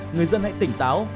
người dân hãy tỉnh táo